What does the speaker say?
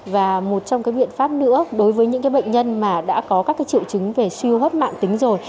và một trong cái biện pháp nữa đối với những bệnh nhân mà đã có các triệu chứng về siêu hấp mạng tính rồi